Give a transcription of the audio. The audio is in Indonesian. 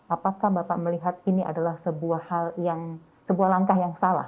apakah bapak melihat ini adalah sebuah hal yang sebuah langkah yang salah